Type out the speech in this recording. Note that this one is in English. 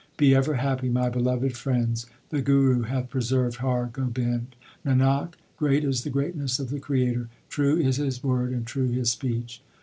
Be ever happy, my beloved friends ; the Guru hath preserved Har Gobind. Nanak, great is the greatness of the Creator ; true is His word and true His speech.